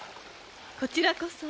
こちらこそ。